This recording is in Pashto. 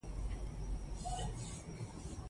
ملالۍ اتله وه؟